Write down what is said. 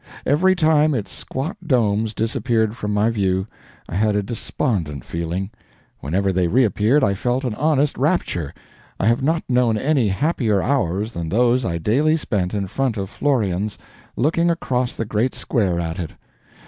Every time its squat domes disappeared from my view, I had a despondent feeling; whenever they reappeared, I felt an honest rapture I have not known any happier hours than those I daily spent in front of Florian's, looking across the Great Square at it.